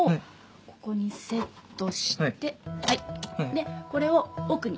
でこれを奥に。